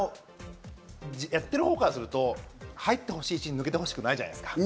やってるほうからすると入ってほしいし、抜けてほしくないじゃないですか。